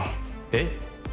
えっ？